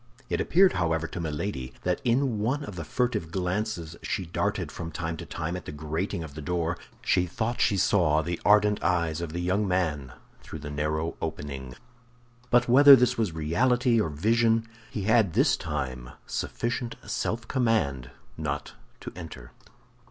It appeared however to Milady that in one of the furtive glances she darted from time to time at the grating of the door she thought she saw the ardent eyes of the young man through the narrow opening. But whether this was reality or vision, he had this time sufficient self command not to enter.